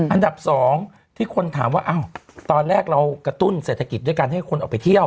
อันดับ๒ที่คนถามว่าอ้าวตอนแรกเรากระตุ้นเศรษฐกิจด้วยการให้คนออกไปเที่ยว